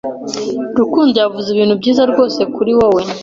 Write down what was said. Rukundo yavuze ibintu byiza rwose kuri wewe.